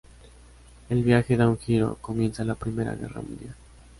El viaje da un giro: comienza la Primera Guerra Mundial.